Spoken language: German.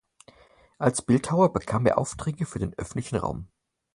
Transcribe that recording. Als Bildhauer bekam er Aufträge für den öffentlichen Raum.